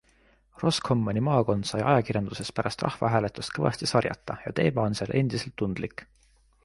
Roscommoni maakond sai ajakirjanduses pärast rahvahääletust kõvasti sarjata ja teema on seal endiselt tundlik.